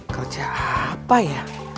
kerja apa ya